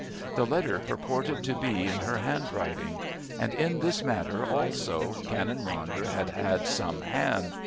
The letter purported to be in her handwriting. And in this matter also Canon Ronder had had some hand.